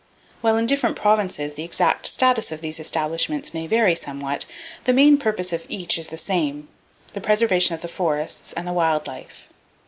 While in different provinces the exact status of these establishments may vary somewhat, the main purpose of each is the same,—the preservation of the forests and the wild life.